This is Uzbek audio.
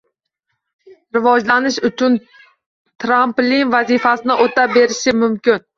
rivojlanish uchun tramplin vazifasini o‘tab berishi mumkin